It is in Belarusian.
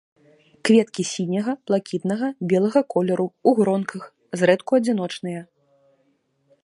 Кветкі сіняга, блакітнага, белага колеру, у гронках, зрэдку адзіночныя.